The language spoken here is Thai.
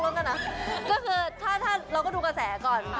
ก็คือถ้าเราก็ดูกระแสก่อนค่ะ